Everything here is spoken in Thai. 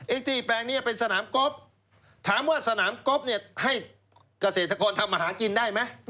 ที่แปลงนี้เป็นสนามก๊อฟถามว่าสนามก๊บเนี่ยให้เกษตรกรทำมาหากินได้ไหม